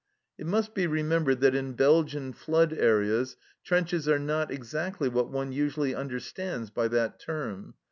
It must be remembered that in Belgian flood areas trenches are not exactly what one usually understands by that term.